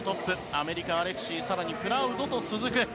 アメリカ、アレクシープラウドと続く。